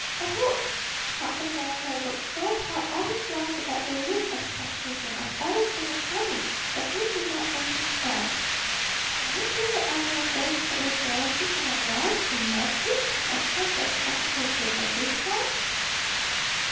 "A hoax," thought the man who had worked so hard all his life without the least expectation of ever seeing a penny that he did not earn himself. "Can it be that any of those heedless relatives of my wife's in Memphis have attempted a practical joke at this time?"